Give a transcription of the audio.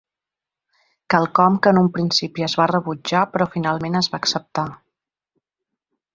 Quelcom que en un principi es va rebutjar, però finalment es va acceptar.